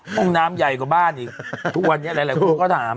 ห้องน้ำใหญ่กว่าบ้านอีกทุกวันนี้หลายคนก็ถาม